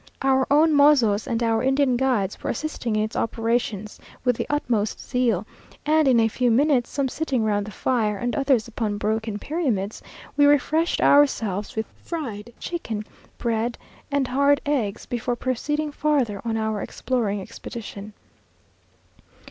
Our own mozos and our Indian guides were assisting in its operations with the utmost zeal; and in a few minutes, some sitting round the fire, and others upon broken pyramids, we refreshed ourselves with fried chicken, bread, and hard eggs, before proceeding farther on our exploring expedition.